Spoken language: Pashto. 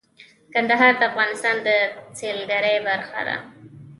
کندهار د افغانستان د سیلګرۍ برخه ده.